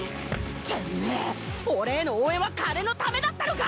てめえ俺への応援は金のためだったのか！